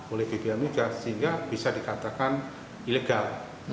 oleh bbm juga sehingga bisa dikatakan ilegal